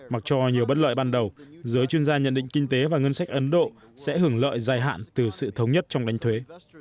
mặc cho nhiều bất lợi ban đầu giới chuyên gia nhận định kinh tế và ngân sách ấn độ sẽ hưởng lợi dài hạn từ sự thống nhất trong đánh thuế